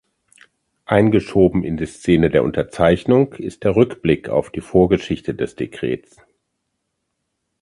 Eingeschoben in die Szene der Unterzeichnung ist der Rückblick auf die Vorgeschichte des Dekrets.